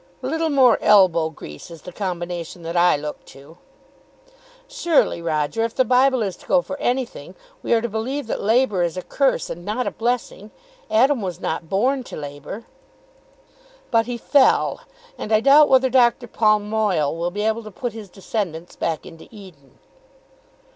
"A little more elbow grease is the combination that I look to." "Surely, Roger, if the Bible is to go for anything, we are to believe that labour is a curse and not a blessing. Adam was not born to labour." "But he fell; and I doubt whether Dr. Palmoil will be able to put his descendants back into Eden."